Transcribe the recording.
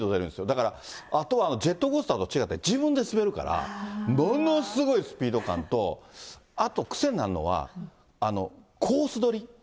だからあとはジェットコースターと違って自分で滑るから、ものすごいスピード感と、あと、癖になるのは、コース取り。